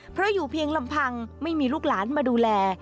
เพราะอยู่เพียงลำพังไม่มีลูกหลานมาดูแล